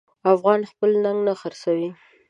افغان خپل ننګ نه خرڅوي.